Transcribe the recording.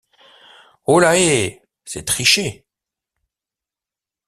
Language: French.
Holàhée! c’est tricher.